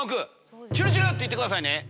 チュルチュルといってください。